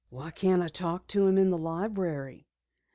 "Why can't I talk to him in the library?"